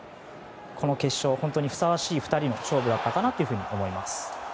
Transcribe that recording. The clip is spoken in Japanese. この決勝にふさわしい２人の勝負だったと思います。